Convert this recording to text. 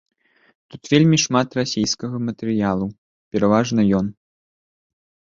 Тут вельмі шмат расійскага матэрыялу, пераважна ён.